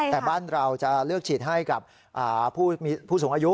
แต่บ้านเราจะเลือกฉีดให้กับผู้สูงอายุ